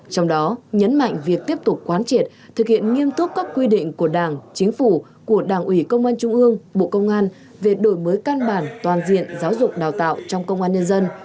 trong đó nhấn mạnh việc tiếp tục quán triệt thực hiện nghiêm túc các quy định của đảng chính phủ của đảng ủy công an trung ương bộ công an về đổi mới căn bản toàn diện giáo dục đào tạo trong công an nhân dân